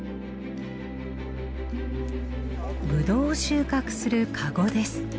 ぶどうを収穫する籠です。